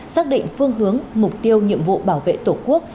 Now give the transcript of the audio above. xác định phương hướng mục tiêu nhiệm vụ bảo vệ tổ quốc